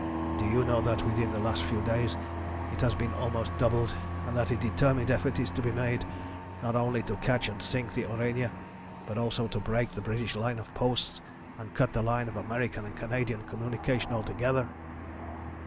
Do you know that within the last few days it has been almost doubled, and that a determined effort is to be made, not only to catch or sink the Aurania, but also to break the British line of posts, and cut the line of American and Canadian communication altogether?"